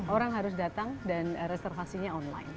orang harus datang dan reservasinya online